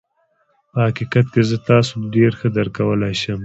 په حقيقت کې زه تاسو ډېر ښه درک کولای شم.